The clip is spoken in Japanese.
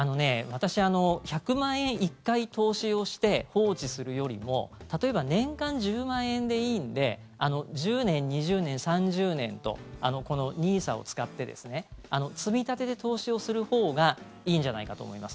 私、１００万円１回投資をして放置するよりも例えば年間１０万円でいいんで１０年、２０年、３０年とこのＮＩＳＡを使って積み立てで投資をするほうがいいんじゃないかと思います。